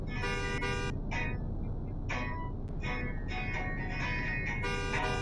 库尔热奥内。